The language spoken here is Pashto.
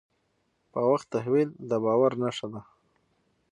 په وخت تحویل د باور نښه ده.